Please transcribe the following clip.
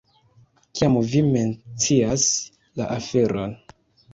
Kiam vi mencias la aferon.